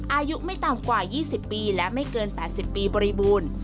อายุไม่ต่ำกว่า๒๐ปีและไม่เกิน๘๐ปีบริบูรณ์